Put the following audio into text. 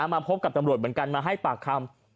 มาพบกับตำรวจเหมือนกันมาให้ปากคำ